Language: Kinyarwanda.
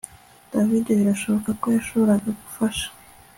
David birashoboka ko yashoboraga gufasha